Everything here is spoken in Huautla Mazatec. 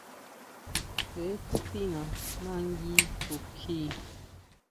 Tseʼe tsútina nangui xukjí.